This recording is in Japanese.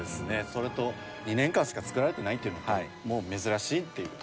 それと２年間しか作られてないっていうのともう珍しいっていう。